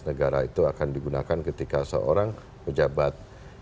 negara itu akan digunakan ketika seorang pejabat